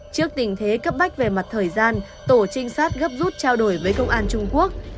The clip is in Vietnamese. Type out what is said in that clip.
trước tình thế cấp bách về mặt thời gian tổ trinh sát gấp rút trao đổi với công an trung quốc